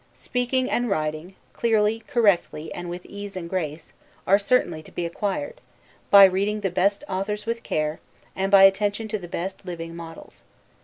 Speaking and Writing, clearly, correctly, and with ease and grace, are certainly to be acquired, by reading the best authors with care, and by attention to the best living models.